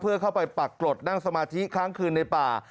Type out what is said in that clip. เพื่อเข้าไปปักกรดนั่งสมาธิค้างคืนในป่า